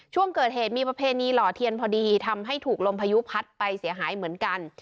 ช่วงเกิดเหตุมีประเพณีหล่อเทียนพอดีทำให้ถูกลมพายุพัดไปเสียหายเหมือนกัน